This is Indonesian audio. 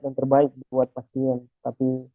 yang terbaik buat pasien tapi